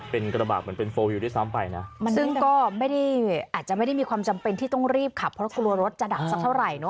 เป็นกระบะเหมือนเป็นโฟลวิวด้วยซ้ำไปนะซึ่งก็ไม่ได้อาจจะไม่ได้มีความจำเป็นที่ต้องรีบขับเพราะกลัวรถจะดับสักเท่าไหร่